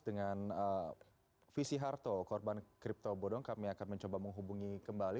dengan visi harto korban kripto bodong kami akan mencoba menghubungi kembali